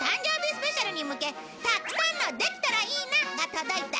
スペシャルに向けたくさんの「できたらいいな」が届いたよ！